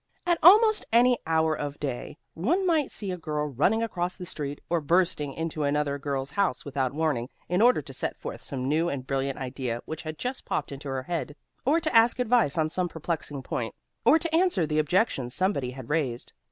At almost any hour of day, one might see a girl running across the street, or bursting into another girl's house without warning, in order to set forth some new and brilliant idea which had just popped into her head, or to ask advice on some perplexing point, or to answer the objections somebody had raised.